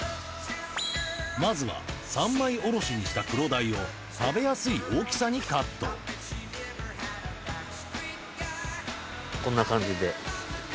まずは三枚おろしにしたクロダイを食べやすい大きさにカットこんな感じで。